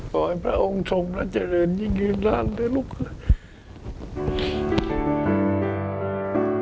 ปล่อยพระองค์ทรงและเจริญยิ่งคืนนานเลยลูกค่ะ